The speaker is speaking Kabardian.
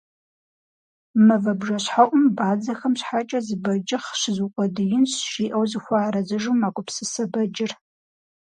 «Мывэ бжэщхьэӀум бадзэхэм щхьэкӀэ зы бэджыхъ щызукъуэдиинщ, - жиӀэу зыхуэарэзыжу мэгупсысэ бэджыр.